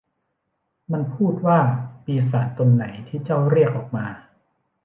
มันพูดว่า ปีศาจตนไหนที่เจ้าเรียกออกมา